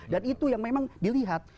dan itu yang memang dilihat